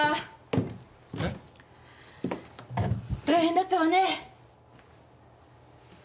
大変だったわね。